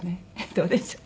どうでしょう？